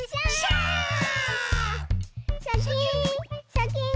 シャキン